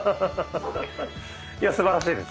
いやすばらしいです。